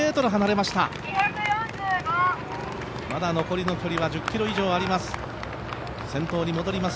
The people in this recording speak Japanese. まだ残りの距離は１０ｋｍ以上あります。